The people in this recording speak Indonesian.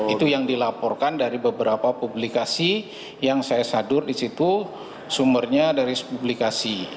itu yang dilaporkan dari beberapa publikasi yang saya sadur di situ sumbernya dari publikasi